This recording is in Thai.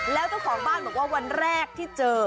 แล้วเจ้าของบ้านบอกว่าวันแรกที่เจอ